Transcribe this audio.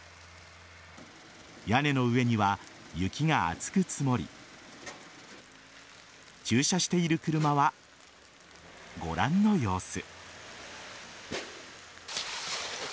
屋根の上には雪が厚く積もり駐車している車はご覧の様子。